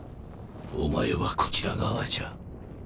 お前はこちら側じゃ。